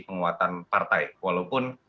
penguatan partai walaupun